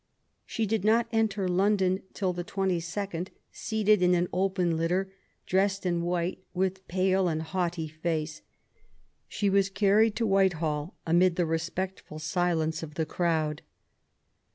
She did not enter London till the 22nd ; 28 QUEEN ELIZABETH, seated in an open litter, dressed in white, with pale and haughty face, she was carried to Whitehall amid the respectful silence of the crowd.